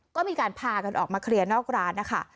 ก็มีการพากันออกมาเคลียร์นอกร้านนะคะ